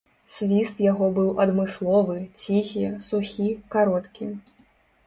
Свіст яго быў адмысловы, ціхі, сухі, кароткі.